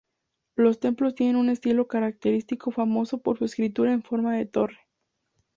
Los templos tienen un estilo característico famoso por su estructura en forma de torre.